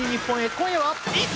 今夜は！？